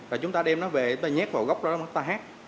và chúng ta đem nó về chúng ta nhét vào góc đó chúng ta hát